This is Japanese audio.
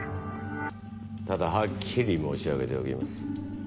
ただはっきり申し上げておきます。